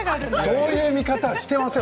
そういう見方をしていません